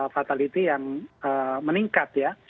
fatality yang meningkat ya